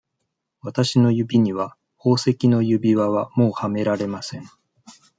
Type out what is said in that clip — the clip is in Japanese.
私の指には、宝石の指輪は、もうはめられません。